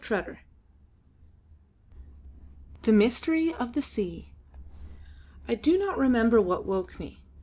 CHAPTER V THE MYSTERY OF THE SEA I do not remember what woke me.